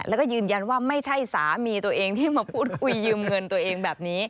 แล้วก็ยืนยันว่าไม่ใช่สามีตัวเองที่มาพูดคุยยืมเงินตัวเองแบบนี้